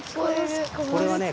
これはね